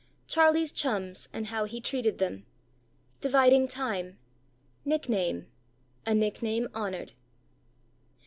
Charlie's chums, and how he treated them. Dividing time. Nickname. A nickname honoured.